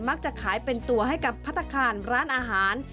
จะขายเป็นตัวให้กับพัฒนาคารร้านอาหาร